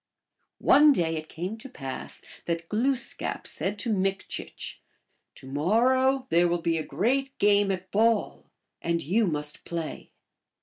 One day it came to pass that Glooskap said to Mik chich, " To morrow there will be a great game at ball, and you must play.